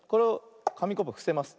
かみコップをふせます。